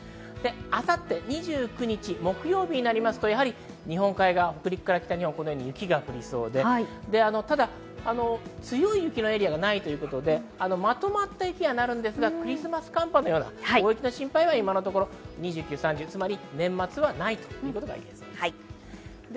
さて２９日、木曜日になりますと日本海側、北陸から北日本、雪が降りそうで、ただ強い大雪のエリアがないということで、まとまった雪にはなりますが、クリスマス寒波のような大雪の心配は今のところ２９、３０、年末はないと言えそうです。